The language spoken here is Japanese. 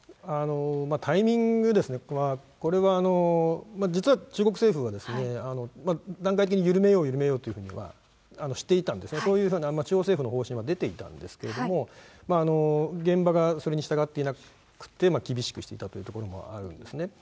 タイミングはこれは、実は中国政府は段階的に緩めよう、緩めようというふうにはしていたんですね、そういうふうな中央政府の方針は出ていたんですけれども、現場がそれに従っていなくて、厳しくしていたというところもあるんですね。